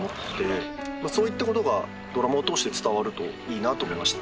そういったことがドラマを通して伝わるといいなと思いました。